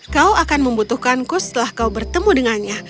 kau akan membutuhkanku setelah kau bertemu dengannya